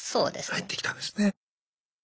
入ってきたんですね。